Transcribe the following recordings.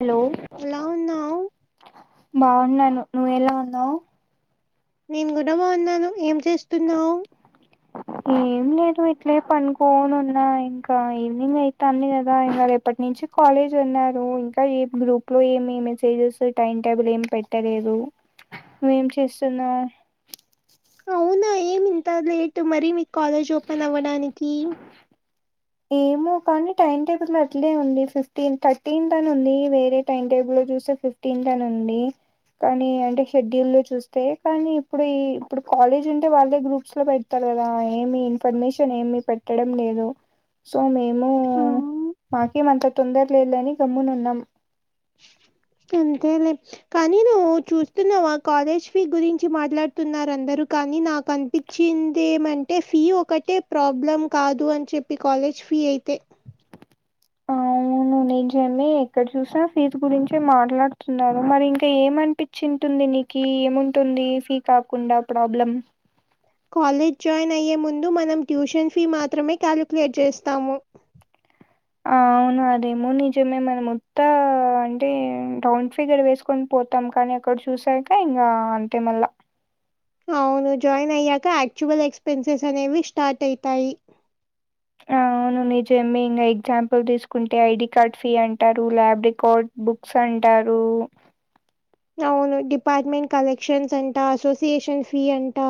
Hello ఎలా ఉన్నావు బాగున్నాను నువ్వ ఎలా ఉన్నావ్ నేను గూడా బావున్నాను ఏం చేస్తున్నావ్ ఏం లేదు ఇట్లే పనుకోను ఉన్నా ఇంకా ఈవినింగ్ అయితాంది కదా ఇంకా రేపటి నించి కాలేజ్ అన్నారు ఇంకా ఏం గ్రూప్ లో ఏమి మెసేజెస్ టైమ్ టేబుల్ ఏం పెట్టలేదు నువ్వు ఏం చేస్తున్నావ్ అవునా ఏమి ఇంత లేటు మరీ మీకు కాలేజ్ ఓపెన్ అవ్వడానికి ఏమో కానీ టైమ్ టేబుల్ అట్లే ఉంది ఫిఫ్టీన్ థర్టీన్త్ అని ఉంది వేరే టైమ్ టేబుల్ లో చూస్తే ఫిఫ్ తిన్త నుండి కానీ అంటే షెడ్యూల్ లో చూస్తే కానీ ఇప్పుడు ఈ ఇప్పుడు కాలేజ్ ఉంటే వాళ్ళే గ్రూప్స్ లో పె పెట్టాల కదా ఏమి ఇన్ఫర్మేషన్ ఏమి పెట్టడం లేదు సో మేము అవును, మాకేమంతా తొందర లేదులే అని గమ్మునున్నాం గంతేలే కానీ నువ్వు చూస్తున్నావా కాలేజ్ ఫీ గురించి మాట్లాడుతున్నారు అందరు కానీ నాకు అనిపి చ్చిందేమంటే ఫీ ఒకటే ప్రాబ్లం కాదు అని చెప్పి కాలేజ్ ఫీ అయితే అవును నిజమే ఎక్కడ చూసినా ఫీజ్ గురించే మాట్లాడుతున్నారు మరి ఇంకా ఏమనిపి చింటుంది నీకి ఏముంటుంది ఫీ కాకుండా ప్రాబ్లం కాలేజ్ జాయిన్ అయ్యే ముందు మనం ట్యూషన్ ఫీ మాత్రమే కాలిక్యూలేట్ చేస్తాము ఆ అవును అదేమో నిజమే మన మొత్తా అంటే రౌండ్ ఫిగర్ వేసుకొని పోతాం కానీ అక్కడ చూసాక ఇంకా అంతే మళ్ళా అవును జాయిన్ అయ్యాక యాక్చువల్ ఎక్స్పెన్సెస్ అనేవి స్టార్ట్ అవుతాయి ఆ అవును నిజేమ ఇంకా ఎగ్జాంపుల్ తీసుకుంటే ఐడి కార్డ్ ఫీ అంటారు ల్యాబ్ రికార్డ్ బుక్స్ అంటారు అవును డిపార్మెంట్ కలెక్షన్స్ అంటా అసోసియేషన్ ఫీ అంటా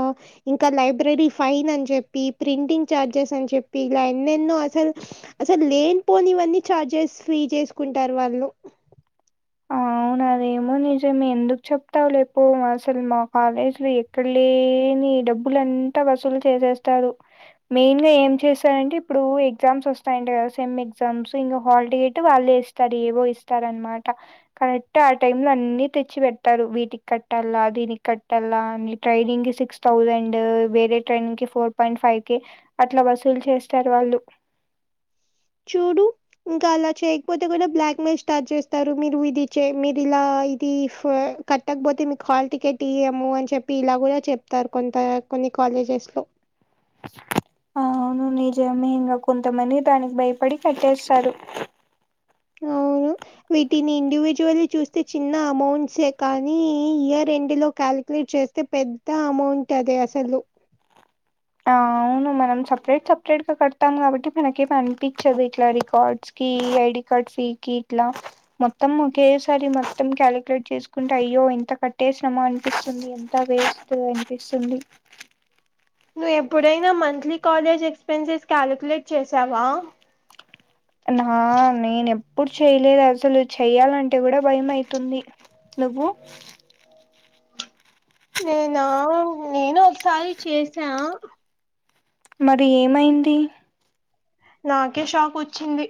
ఇంకా లైబ్రరీ ఫైన్ అని చెప్పి ప్రింటింగ్ ఛార్జెస్ అని చెప్పి ఇలా ఎన్నెన్నో అసల్ అసల్ లేని పోనివన్నీ చార్జెస్ ఫ్రీ చేసుకుంటారు వాళ్ళు ఆ! అవును అదేమో నిజమే ఎందుకు చెప్తావు లే పో అసలు మా కాలేజీలో ఎ క్కడ లేని డబ్బులంతా వసూలు చేసేస్తారు మెయిన్ గా ఏం చేశా అంటే ఇప్పుడు ఎగ్జామ్స్ వస్తాయింట గదా సెమ్ ఎగ్జామ్స్ ఇంకా హాల్ టికెట్ వాళ్ళే వి కడెవో ఇస్తారు అన్నమాట కరెక్ట్ ఆ టైమ్ లో అన్ని తెచ్చి పెడతారు వీటికి కట్టాల దీనికి కట్టాలా అని ట్రైనింగ్ సిక్స్ థౌజండ్ వేరే ట్రైన్ కి ఫోర్ పాయింట్ ఫైవ్ కె అట్ల వసూలు చేస్తారు వాళ్ళు చూడు ఇంకా అలా చేయకపోతే కూడా బ్లాక్ మెయిల్ స్టార్ట్ చేస్తారు మీరు ఇది చే మీరు ఇలా ఇది ఫ కట్టకపోతే మీకు హల్ టికెట్ ఇయ్యము అని చెప్పి ఇలా కూడా చెప్తారు కొంత కొన్ని కాలేజెస్ లో ఆ అవును నిజమే ఇంగా కొంతమంది దానికి భయపడి కట్టేస్తారు అవును వీటిని ఇండివిజువల్లీ చూస్తే చిన్న అమౌంట్సే కానీ ఇయర్ ఎండ్ లో కాలిక్యులేట్ చేస్ తే పెద్ద అమౌంట్ అదే అసలు అవును మనం సపరేట్ సపరేట్ గా కడతాము కాబట్టి మనకి ఏమి అనిపించదు ఇట్లా రికార్డ్స్ కి ఐడి కార్డ్ ఫీ కి ఇట్లా మొత్తం ఒకేసారి మొత్తం కాలిక్యులేట్ చేసుకుంటే అయ్యో ఇంత కట్టేస్నమా అనిపిస్తుంది తా వేస్ట్ అనిపిస్తుంది నువ్ ఎప్పుడైనా మంత్లీ కాలేజ్ ఎక్స్పెన్సెస్ క్యాలుక్లెట్ చేసావా నా నేనెప్పుడు చేయలేదు అసలు చెయ్యాలంటే కూడా భయం అయితుంది నువ్వు నేనా నేను ఒకసారి చేసా మరి ఏమైంది నాకే షాకొచ్చింది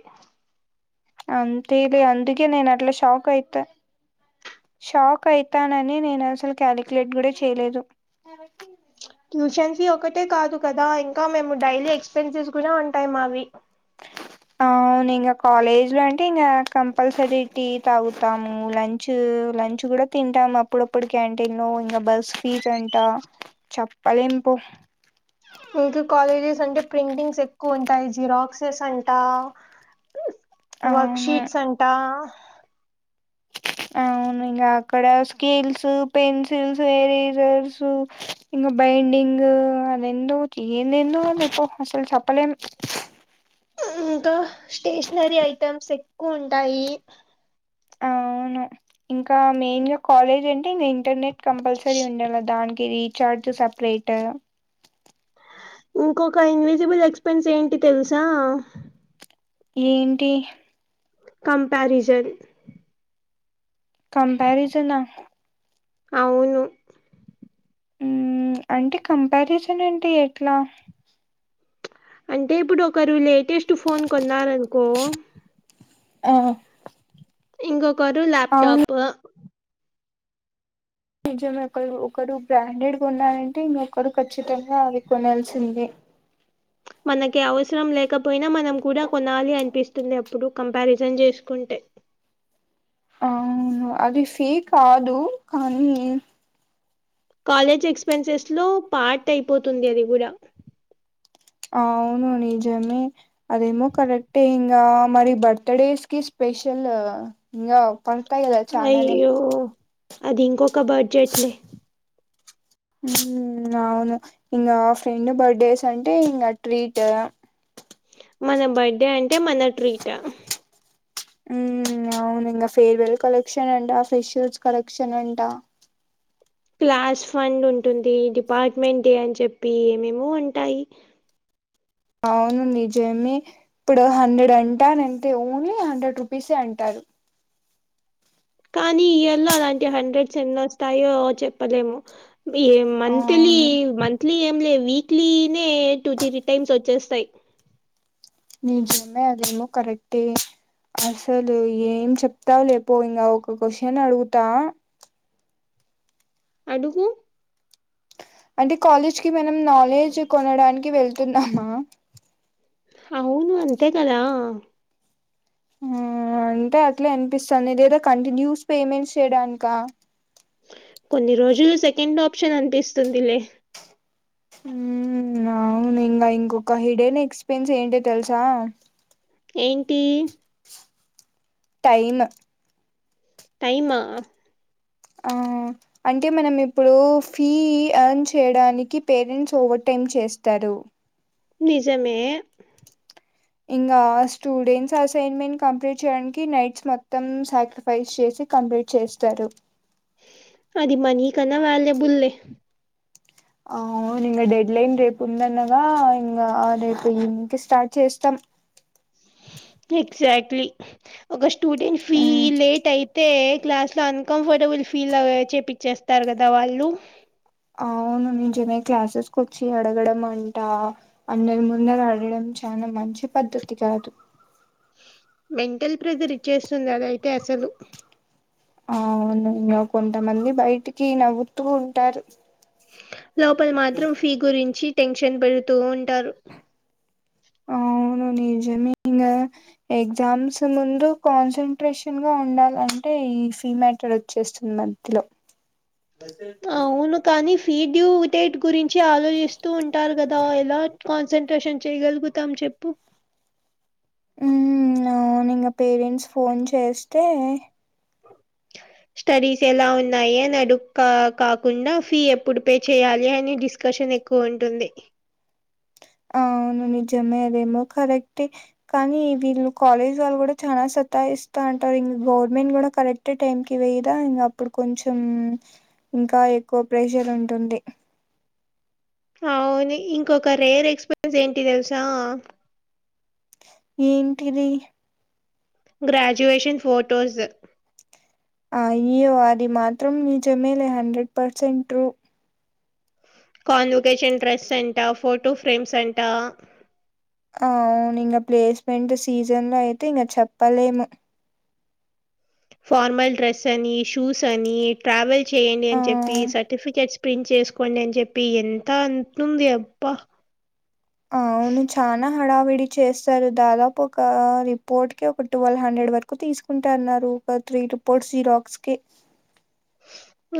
అంతేలే అందుకే నేనట్ల శాక్ అయిత షాక్ అయితానని నేనసలు కాలిక్యులేట్ గూడ చేయలేదు ట్యూషన్ ఫీ ఒకటే కాదు కదా ఇంకా మేము డైలీ ఎక్స్పెన్సెస్ కూడా ఉంటాయి మావి అవును ఇంగ కాలేజ్ లో అంటే ఇంకా కంపల్సరీ టీ తాగుతాము లంచ్ చ్ లంచ్ కూడ తింటాం అప్పుడప్పుడు క్యాంటీన్ లో ఇంకా బస్ ఫీజ్ అంట చప్పలేం పో ఇంక కాలేజెస్ అంటే ప్రింటింగ్స్ ఎక్కువ ఉంటాయి జిరాక్సెస్ అంట వర్క్ అవును షీట్స్ అంటా అవును ఇంగా అక్కడ స్కేల్స్, పెన్సిల్స్, ఎరేజర్స్ ఇంగ బైండింగ్ అదెందో చి ఎందేందో ఉన్నయ్ పో అసలు చెప్పలేం ఇంకా స్టేషనరీ ఐటెమ్స్ ఎక్కువ ఉంటాయి అవును ఇంకా మెయిన్ గ కాలేజ్ అంటే ఇంగ ఇంటర్నెట్ కంపల్సరీ ఉండాల దానికి ఇ రీచార్జ్ సపరేట్ ఇంకొక ఇన్విజిబుల్ ఎక్స్పెన్స్ ఏంటి తెలుసా ఏంటి కంపారిజన్ కంపారిజన్ ఆ అవును హ్మ్ అంటే కంపారిజన్ ఏంటి ఎట్లా అంటే ఇప్పుడు ఒకరు లేటెస్ట్ ఫోన్ కొన్నారనుకో ఆ ఇంకొకరు అవును ల్యాప్టాప్ నిజమే ఒకలు ఒకడు బ్రాండెడ్ కొన్నాడంటే ఇంకొకరు ఖచ్చితంగా అవి కొనాల్సిందే మనకి అవసరం లేకపోయినా మనం కూడ కొనాలి అనిపిస్తుంది అప్పుడు కంపారిజన్ జేసుకుంటే అవును అది ఫీ కాదు కనీ కాలేజ్ ఎక్స్పెన్సెస్ లో పార్ట్ అయిపోతుంది అది గుడా అవును నిజమే అదేమో కరెక్టే ఇన్ గా మరి బర్త్ డేస్ కి స్పెషల్ ఇంగా పడ్తాయ్ గద అయ్యో అది ఇంకొక బడ్జెట్లే హుమ్ అవును ఇంగా ఫ్రెండ్ బర్డేసంటే ఇంగ ట్రీట్ మన బర్డే అంటే మన ట్రీట్ ఉమ్ అవును ఇంగ ఫేర్వెల్ కలెక్షనంట, ఫ్రెషర్స్ కలెక్షనంట క్లాస్ ఫండుంటుంది డిపార్ట్మెంట్ యని చెప్పి ఏమేమో ఉంటాయి అవును నిజమే ఇప్పుడు హండ్రెడ్ అంటా నంతే ఓన్లీ హండ్రెడ్ రూపీసే అంటారు కానీ ఈయర్ లో అలాంటి హండ్రెడ్స్ ఎన్నోస్తాయో చెప్పలేము ఇగేమ్ మంత్లీ అవును మంత్లీ ఏం లేవ్ విక్లీనే టూ త్రీ టైమ్స్ వచ్చేస్తాయ్ నిజంగా అదేమో కరెక్టే అసలు ఏం చెప్తా లేపో ఇంకా ఒక క్వశ్చన్ అడుగుతా అడుగు అంటే కాలేజ్ కి మనం నాలెడ్జ్ కొనడానికి వెళ్తున్నామా అవును అంతే కదా అ అంటే అట్లే అనిపిస్తాంది లేదా కంటిన్యూస్ పేమెంట్స్ చేయడానికా కొన్ని రోజులు సెకండ్ ఆప్షన్ అనిపిస్తుందిలే అవును ఇంకా ఇంకొక హిడేన్ ఎక్సపెన్స్ ఏంటో తెలుసా ఎంటీ టైమ్ టైమా ఆ అంటే మనం ఇప్పుడు ఫీ ఎర్న్ చేయడానికి పేరెంట్స్ ఓవర్ టైమ్ చేస్తారు నిజమే ఇంకా స్టూడెంట్స్ అసైన్మెంట్ కంప్లీట్ చేయడానికి నైట్స్ మొత్తం సాక్రైఫిస్ సాక్రీఫైస్ చేసి కంప్లీట్ చేస్తారు అది మనీ కన్నా వాల్యబుల్ లే అ అవును ఇంకా డెడ్ లైన్ రేపు ఉంద అనగా ఇంకా రేపు ఈవినింగ్ కి స్టార్ట్ చేస్తాం ఎగ్జాక్ట్లీ ఒక స్టూడెంట్ ఫీ మ్మ్ లేట్ అయితే క్లాస్ లో ఉంకంఫర్టబుల్ అన్ కంఫర్టబుల్ ఫీల్ చేపిచ్చేస్తారు కదా వాళ్ళు అవును నిజమే క్లాసెస్కి వచ్చి అడగడమంట అందరి ముందర అడగడం చాలా మంచి పద్ధతి కాదు మెంటల్ ప్రెజర్ ఇచ్చేస్తుంది అదయితే అసలు ఆ అవును ఇంగ కొంతమంది బయటికి నవ్వుతూ ఉంటారు లోపల మాత్రం ఫీ గురించి టెన్షన్ బడుతూ ఉంటారు అవును నిజమే ఇంగ ఎగ్జామ్స్ ముందు కాన్సన్ంట్రేషన్ గా ఉండాలంటే ఈ ఫీ మ్యాటర్ వి చెస్ట్ మధ్యలో అవును కానీ ఫీ డ్యూ డేట్ గురించి మంచిి ఆలోచిస్తూ ఉంటారు కదా ఎలా కాన్సన్ంట్రేషన్ చేయగలుగుతాం చెప్పు ఉ అవును ఇంకా పేరెంట్స్ ఫోన్ చేస్తే స్టడీస్ ఎలా ఉన్నాయి అని అడుగు కాకుండ ఫీ ఎప్పుడు పే చెయ్యాలి అని డిస్ డిస్కషన్ ఎక్కువ ఉంటుంది అ అవును నిజమే అదేమో కరెక్ట్ కానీ వీళ్ళు కాలేజ్ వాళ్ళు కూడా చాలా సతాయిస్తూ ఉంటారు ఇంకా గవర్నమెంట్ కూడా కరెక్ట్ టైం కి వెయ్యరా ఇంకా అప్పుడు కొంచెం ఇంకా ఎక్కువ ప్రెషర్ ఉంటుంది అవును ఇంకొక రేర్ ఎక్స్పీరియన్స్ ఏంటి తెలుసా ఏంటిది గ్రాడ్యుయేషన్ ఫోటోస్ అయ్యో అది మాత్రం నిజమేలే hundred percent true convocation dress అంట ఫోటో ఫ్రేమ్స్ అంట అ అవును ఇంక ప్లేస్మెంట్ సీజన్ లో అయితే ఇంక చెప్పలేము ఫార్మల్ డ్రెస్సని షూస్ అని ట్రావెల్ చేయండి ఆ అని చెప్పి సర్టిఫికెట్స్ ప్రింట్ చేసుకోండి అని చెప్పి ఎంత అవుతుంది అబ్బా అవును చానా హడావిడి చేస్తారు. దాదాపు ఒక రిపోర్ట్ కి ఒక ట్వెల్వ్ హండ్రెడ్ వరకు తీసుకుంటా అన్నారు ఒక త్రీ రిపోర్ట్స్ జిరాక్స్ కి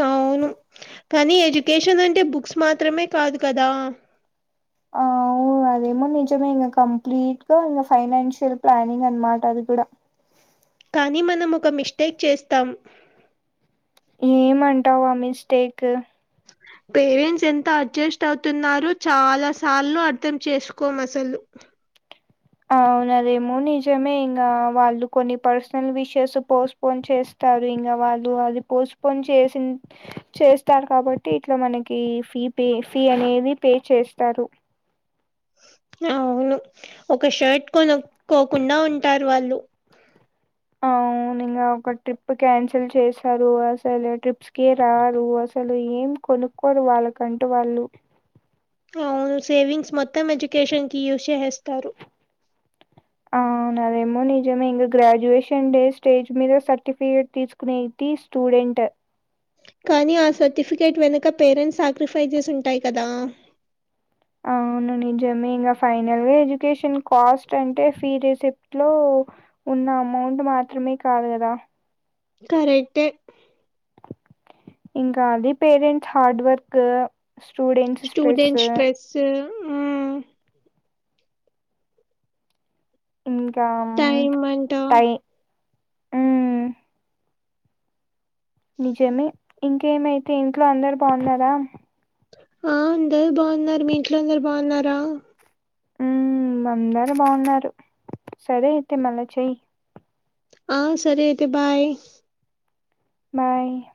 అవును కాని ఎడ్యుకేషనంటే బుక్స్ మాత్రమే కాదు కదా అవు అదేమో నిజమే, ఇక కంప్లీట్గా ఇక ఫైనాన్షియల్ ప్లానింగ్ అనమాట అది కూడా కానీ మనం ఒక మిస్టేక్ చేస్తాం. ఏమంటావు ఆ మిస్టేక్? పేరెంట్స్ ఎంత అడ్జస్ట్ అవుతున్నారు చాలా సార్లు అర్థం చేసుకోం అసలు అవునదేమో నిజమే ఇంకా వాళ్ళు కొన్ని పర్సనల్ విషెస్ పోస్ పోన్ చేస్తారు ఇంకా వాళ్ళు అది పోస్ట్పోన్ చేసిన్ చేస్తారు కాబట్టి ఇట్లా మనకి ఫీ పే ఫీ అనేది పే చేస్తారు. అవును ఒక షర్ట్ కొనుక్కోకుండా ఉంటారు వాళ్ళు అవును ఇంగ ఒక ట్రిప్ క్యాన్సిల్ చేశారు అసలు ట్రిప్స్ కే రారు అసలు ఏం కొనుక్కోరు వాళ్ళకంటూ వాళ్ళు అవును సేవింగ్స్ మొత్తం ఎడ్యుకేషన్ కి యూజ్ చేసేస్తారు. నాదేమో నిజమే ఇంకా గ్రాడ్యుయేషన్ డే స్టేజ్ మీద సర్టిఫికేట్ తీసుకునేది స్టూడెంట్ కానీ ఆ సర్టిఫికేట్ వెనుక పేరెంట్స్ సాక్రిఫైజెస్ ఉంటాయి కదా. అవును నిజమే ఇంకా ఫైనల్ గా ఎడ్యుకేషన్ కాస్ట్ అంటే ఫీ రిసీ ప్ట్ లో ఉన్న అమౌంట్ మాత్రమే కాదు కదా కరెక్టే ఇంకా అది parents hard work, students stress students stress ఊ ఇంకా టైం అంట టై మ్మ్ నిజమే, ఇంకేమైతే ఇంట్లో అందరు బాగున్నారా ఆ అందరు బాగున్నారు, మీ ఇంట్లో అందరు బాగున్నారా? ఉమ్ అందరు బాగున్నారు, సరే అయితే మళ్ళా చెయ్ ఆ సరే అయితే బై బై